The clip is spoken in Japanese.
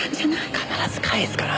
必ず返すから！